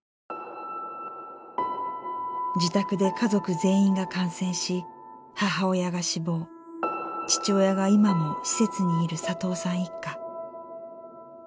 自宅で家族全員が感染し母親が死亡父親が今も施設にいる佐藤さん一家。